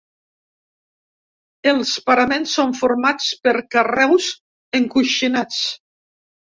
Els paraments són formats per carreus encoixinats.